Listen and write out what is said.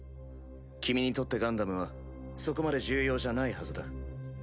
君にとってガンダムはそこまで重要じゃないはずだ。